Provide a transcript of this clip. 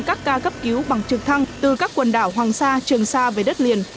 các ca cấp cứu bằng trực thăng từ các quần đảo hoàng sa trường sa về đất liền